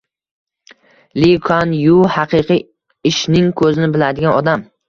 Li Kuan Yu xaqiqiy ishning ko‘zini biladigan odam.